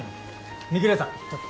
御厨さんちょっと。